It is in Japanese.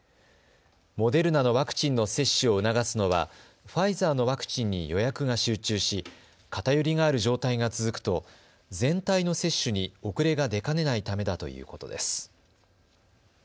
モデルナのワクチンの接種を促すのはファイザーのワクチンに予約が集中し偏りがある状態が続くと全体の接種に遅れが出かねないためだということです。